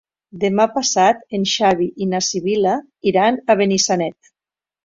Demà passat en Xavi i na Sibil·la iran a Benissanet.